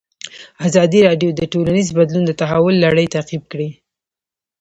ازادي راډیو د ټولنیز بدلون د تحول لړۍ تعقیب کړې.